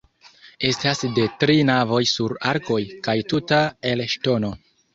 Estas de tri navoj sur arkoj kaj tuta el ŝtono.